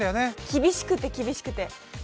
厳しくて厳しくて。